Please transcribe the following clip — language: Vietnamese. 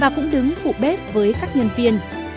cũng đứng phụ bếp với các nhân viên